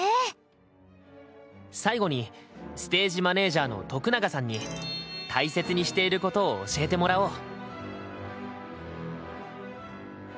最後にステージマネージャーの徳永さんに大切にしていることを教えてもらおう。